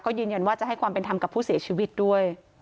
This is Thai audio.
ยืนยันว่าจะให้ความเป็นธรรมกับผู้เสียชีวิตด้วย